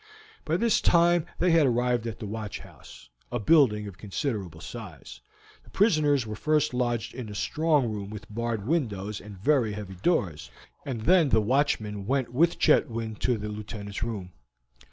By this time they had arrived at the watch house, a building of considerable size; the prisoners were first lodged in a strong room with barred windows and very heavy doors, and then the watchman went with Chetwynd to the Lieutenant's room.